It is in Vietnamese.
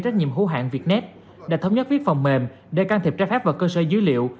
trách nhiệm hữu hạn việtnet đã thống nhất viết phần mềm để can thiệp trái phép và cơ sơ dữ liệu